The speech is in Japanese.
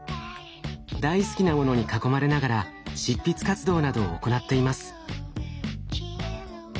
大好きなものに囲まれながら執筆活動などを行っています。